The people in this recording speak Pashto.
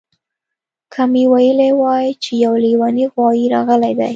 که مې ویلي وای چې یو لیونی غوایي راغلی دی